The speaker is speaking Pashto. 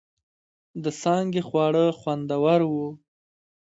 د څانگې خواړه خوندور و.